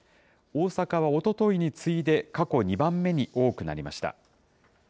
大阪はおとといに次いで、過去２番目に多くなりました。